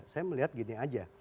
saya melihat gini aja